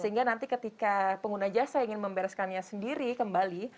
sehingga nanti ketika pengguna jasa ingin membereskannya sendiri kembali